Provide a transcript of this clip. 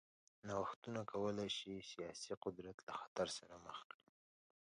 نوښتونه کولای شي سیاسي قدرت له خطر سره مخ کړي.